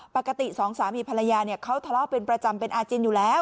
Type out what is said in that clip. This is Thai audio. ปกติสองสามีภรรยาเขาทะเลาะเป็นประจำเป็นอาจินอยู่แล้ว